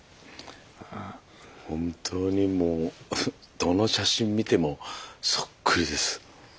本当にもうどの写真見てもそっくりです。